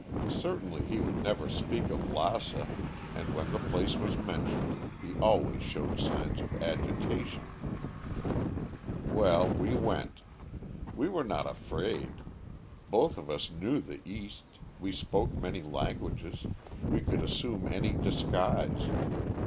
Certainly, he would never speak of Lassa and when the place was mentioned he always showed signs of agitation. "Well, we went. We were not afraid. Both of us knew the East, we spoke many languages, we could assume any disguise.